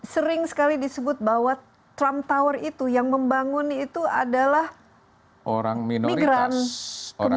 sering sekali disebut bahwa trump tower itu yang membangun itu adalah orang migran